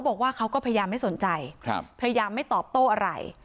บอกว่าเขาก็พยายามไม่สนใจพยายามไม่ตอบโต้อะไร